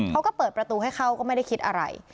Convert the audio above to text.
เขาก็เปิดประตูให้เข้าก็ไม่ได้คิดอะไร